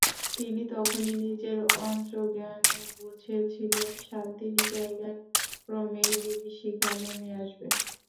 তিনি তখনই নিজের অন্তর্জ্ঞানে বুঝেছিলেন, শান্তির জায়গায় ক্রমেই বিভীষিকা নেমে আসবে।